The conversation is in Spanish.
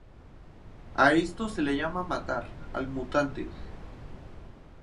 A esto se le llama "matar" al mutante.